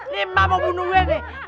nih mak mau bunuh gue nih